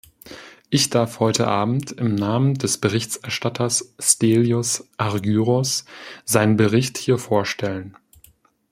Ich darf heute abend im Namen des Berichterstatters Stelios Argyros seinen Bericht hier vorstellen.